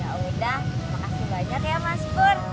yaudah makasih banyak ya mas bur